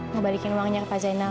mau balikin uangnya ke pak zainal